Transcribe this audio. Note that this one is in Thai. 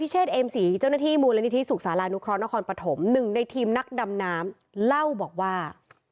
หนึ่งในทีมนักดำน้ำเล่าบอกว่า